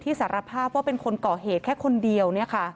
สารภาพว่าเป็นคนก่อเหตุแค่คนเดียว